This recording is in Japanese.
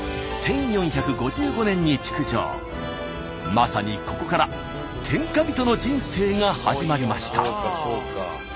まさにここから天下人の人生が始まりました。